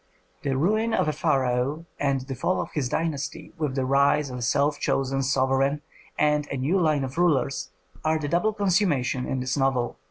The ruin of a pharaoh and the fall of his dynasty, with the rise of a self chosen sovereign and a new line of rulers, are the double consummation in this novel.